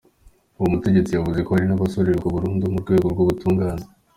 Uwo mutegetsi yavuze ko hari n'abazosererwa burundu mu rwego rw'ubutungane.